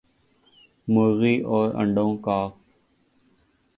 مرغی اور انڈوں ک